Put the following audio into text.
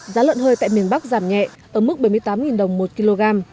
giá lợn hơi tại miền bắc giảm nhẹ ở mức bảy mươi tám đồng một kg